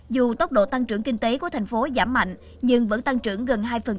dù tốc độ tăng trưởng kinh tế của thành phố giảm mạnh nhưng vẫn tăng trưởng gần hai